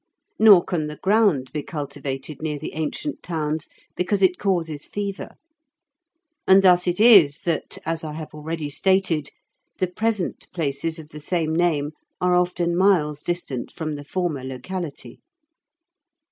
Nor can the ground be cultivated near the ancient towns, because it causes fever; and thus it is that, as I have already stated, the present places of the same name are often miles distant from the former locality.